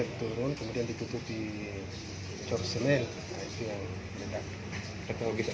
ketika meter turun kemudian ditutupi cor semen itu yang ledak